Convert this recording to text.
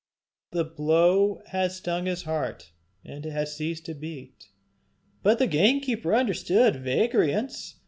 The blow had stung his heart and it had ceased to beat. But the gamekeeper understood vagrants!